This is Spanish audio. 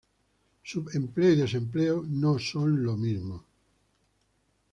Subempleo y desempleo no son lo mismo.